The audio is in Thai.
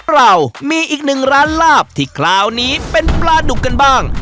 เรามีอีกหนึ่งร้านลาบที่คราวนี้เป็นปลาดุกกันบ้าง